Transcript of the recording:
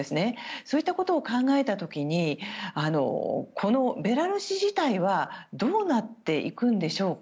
そういったことを考えた時にベラルーシ自体はどうなっていくんでしょうか。